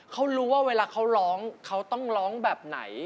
เขารู้ว่าเวลาเขาร้องเขาต้องร้องแบบไหน